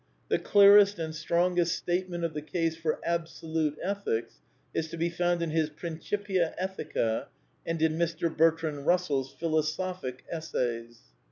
The clearest and strongest statement of the case for " Ab solute" Ethics is to be found in his Principia Ethica, and in Mr. Bertrand Russell's Philosophic Essays.